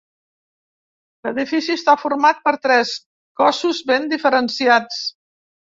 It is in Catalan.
L'edifici està format per tres cossos ben diferenciats.